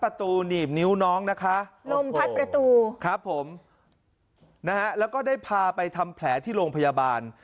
หนีบนิ้วน้องนะคะลมพัดประตูครับผมนะฮะแล้วก็ได้พาไปทำแผลที่โรงพยาบาล